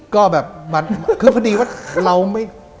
ก็แบบมันคือพอดีว่าเราไม่